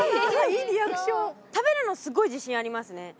食べるのすごい自信ありますね